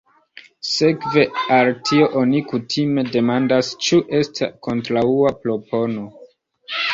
Sekve al tio oni kutime demandas, ĉu estas kontraŭa propono.